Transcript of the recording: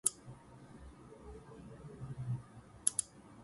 What is the role of smoking in the development of respiratory diseases?